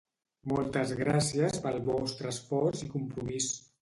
Moltes gràcies pel vostre esforç i compromís.